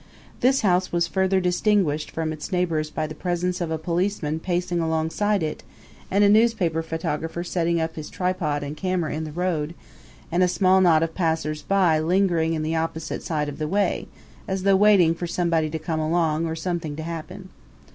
This house was further distinguished from its neighbors by the presence of a policeman pacing alongside it, and a newspaper photographer setting up his tripod and camera in the road, and a small knot of passers by lingering on the opposite side of the way, as though waiting for somebody to come along or something to happen.